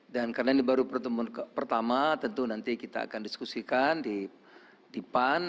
dan karena ini baru pertemuan pertama tentu nanti kita akan diskusikan di pan